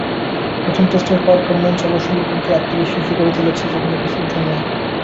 প্রথম টেস্টের পারফরম্যান্স অবশ্য লিটনকে আত্মবিশ্বাসী করে তুলেছে যেকোনো কিছুর জন্যই।